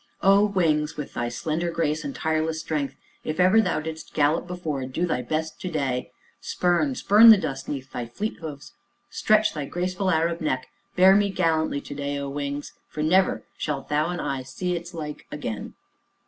"O Wings! with thy slender grace, and tireless strength, if ever thou didst gallop before, do thy best to day! Spurn, spurn the dust 'neath thy fleet hoofs, stretch thy graceful Arab neck, bear me gallantly to day, O Wings, for never shalt thou and I see its like again."